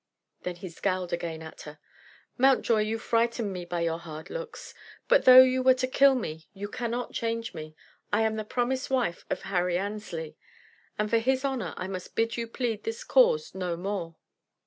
Then he scowled again at her. "Mountjoy, you frighten me by your hard looks; but though you were to kill me you cannot change me. I am the promised wife of Harry Annesley; and for his honor I must bid you plead this cause no more."